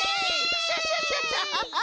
クシャシャシャシャ！